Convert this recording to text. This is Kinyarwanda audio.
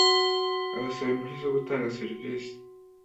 abasaba impushya zo gutanga serivisi